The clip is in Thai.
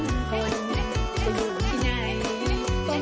อยากเป็นป้าแตนอยากเป็นป้าแตน